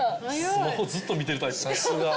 スマホずっと見てるタイプさすが！